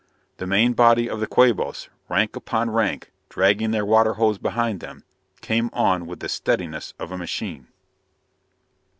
The main body of the Quabos, rank on rank, dragging their water hose behind them, came on with the steadiness of a machine.